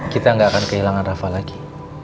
kita gak akan kehilangan rafa lagi